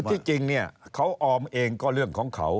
ที่จริงเนี่ยเขาออมเองก็เรื่องของเขา